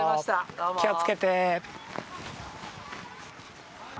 気をつけて。